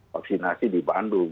vaksinasi di bandung